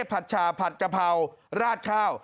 ผัดชาผัดกะเพราราดข้าว